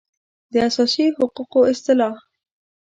د اساسي حقوقو اصطلاح